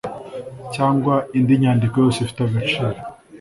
Cyangwa Indi Nyandiko Yose Ifite Agaciro